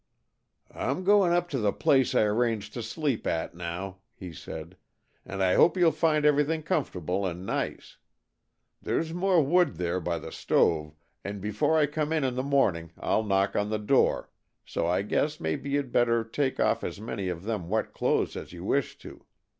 "I'm going up to the place I arranged to sleep at, now," he said, "and I hope you'll find everything comfortable and nice. There's more wood there by the stove, and before I come in in the morning I'll knock on the door, so I guess maybe you'd better take off as many of them wet clothes as you wish to.